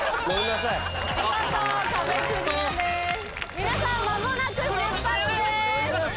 皆さん間もなく出発です。